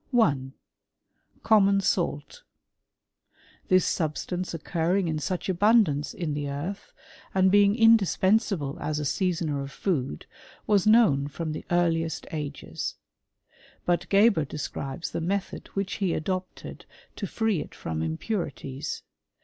1. Common salt. This substance occurring in such Sundance in the earth, and being indispensable as a •^asoner of food, was known from the earliest ages, ^ut Geber describes the method which he adopted to "^ee it from impurities.